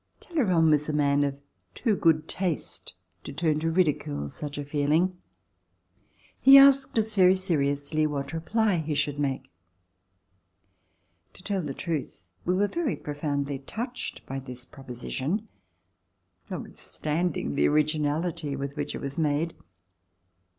Talleyrand was a man of too good taste to turn to ridicule such a feeling. He asked us very seriously what reply he should make. To tell the truth we were very profoundly touched by this proposition, notwithstanding the originality with which it was made.